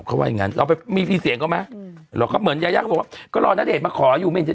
เขาว่าอย่างงั้นมีพี่เสียงเขาไหมเหมือนยาย่ากก็รอณเดชน์มาขออยู่